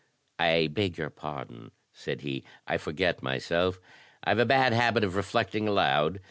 "I beg your pardon," said he. I forget myself. I've a bad habit of reflecting aloud.